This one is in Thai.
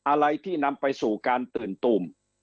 อะไรที่นำไปสู่การตื่นตูม